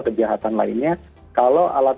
kejahatan lainnya kalau alat